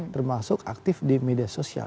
termasuk aktif di media sosial